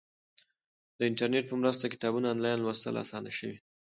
د انټرنیټ په مرسته کتابونه آنلاین لوستل اسانه شوي.